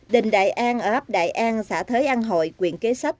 đình đại an ở ấp đại an xã thới an hội quyện kế sách